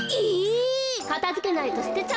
かたづけないとすてちゃうわよ。